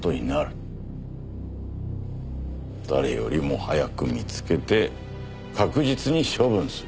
誰よりも早く見つけて確実に処分する。